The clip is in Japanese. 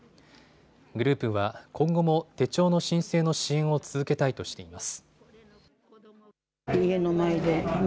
グループは今後も手帳の申請の支援を続けたいとしています。